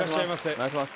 お願いします